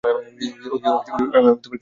আমি কিছুই বলিতে পারি না।